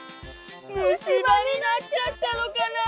むしばになっちゃったのかなあ？